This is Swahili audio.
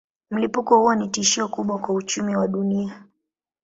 Mlipuko huo ni tishio kubwa kwa uchumi wa dunia.